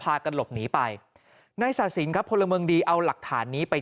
พากระลบหนีไปน้าศศิลป์ครับพลมดีเอาหลักฐานนี้ไป